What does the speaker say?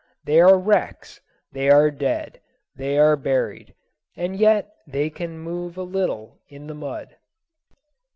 They are wrecks, they are dead, they are buried and yet they can move a little in the mud!